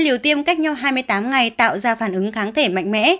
liều tiêm cách nhau hai mươi tám ngày tạo ra phản ứng kháng thể mạnh mẽ